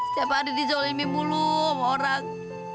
setiap hari dizolimi mulum orang